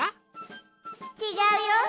ちがうよ。